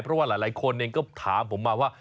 เพราะว่าหลายคนเองก็ถามผมมาว่า